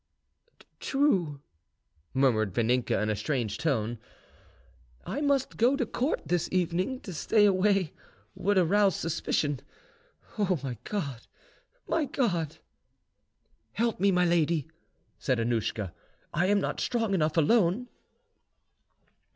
"True," murmured Vaninka in a strange tone, "I must go to Court this evening; to stay away would arouse suspicion. Oh, my God! my God!" "Help me, my lady," said Annouschka; "I am not strong enough alone."